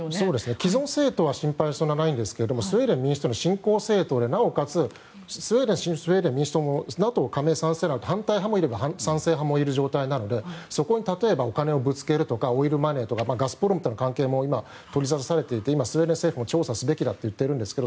既存政党は心配はそんなにないんですけどスウェーデン民主党は振興政党でなおかつスウェーデン民主党もＮＡＴＯ加盟には賛成派もいれば反対派もいる状況なのでそこは例えばお金をぶつけるとかオイルマネーとかガスプロムとかも今、取りざたされていてスウェーデン政府も調査すべきと言っているんですけど。